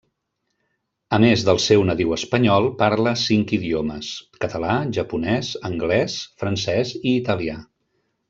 A més del seu nadiu espanyol, parla cinc idiomes: català, japonès, anglès, francès i italià.